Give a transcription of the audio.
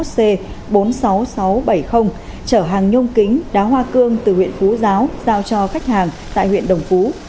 chở hàng nhông kính đá hoa cương từ huyện phú giáo giao cho khách hàng tại huyện đồng phú